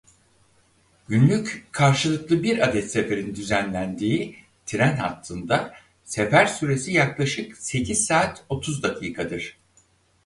Günlük karşılıklı bir adet seferin düzenlendiği tren hattında sefer süresi yaklaşık sekiz saat otuz dakikadır.